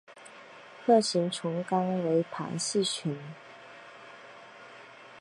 核形虫纲为旁系群。